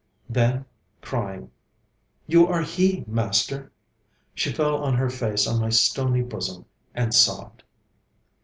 Then crying, 'You are he, Master!' she fell on her face on my stony bosom, and sobbed.